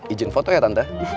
ijin foto ya tante